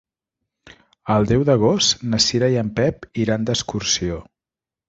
El deu d'agost na Cira i en Pep iran d'excursió.